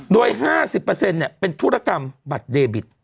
โดย๕๐เป็นธุรกรรมบัตรเดบิต